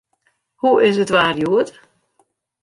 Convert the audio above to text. Hoe is it waar hjoed?